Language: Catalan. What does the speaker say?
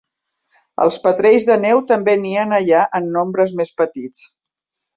Els petrells de neu també nien allà en nombres més petits.